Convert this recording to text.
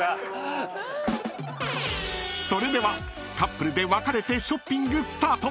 ［それではカップルで分かれてショッピングスタート］